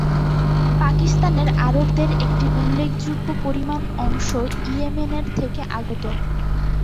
পাকিস্তানের আরবদের একটি উল্লেখযোগ্য পরিমাণ অংশ ইয়েমেন থেকে আগত।